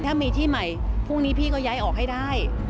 ถ้ามีที่ใหม่พรุ่งนี้พี่ก็ย้ายออกให้ได้